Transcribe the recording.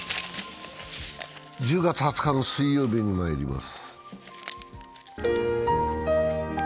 １０月２０日の水曜日にまいります。